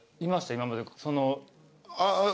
今までその。